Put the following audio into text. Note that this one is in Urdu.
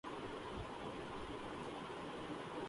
جمہوری قدریں مضبوط ہوں۔